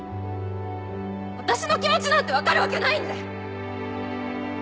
私の気持ちなんて分かるわけないんだよ！